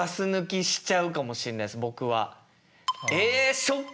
僕は。